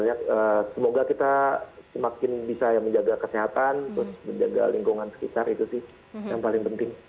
dan semua sih semoga kita semakin bisa menjaga kesehatan terus menjaga lingkungan sekitar itu sih yang paling penting